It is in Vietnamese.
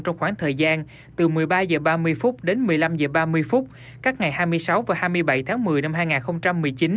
trong khoảng thời gian từ một mươi ba h ba mươi đến một mươi năm h ba mươi các ngày hai mươi sáu và hai mươi bảy tháng một mươi năm hai nghìn một mươi chín